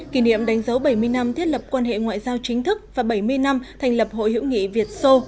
kỷ niệm đánh dấu bảy mươi năm thiết lập quan hệ ngoại giao chính thức và bảy mươi năm thành lập hội hữu nghị việt sô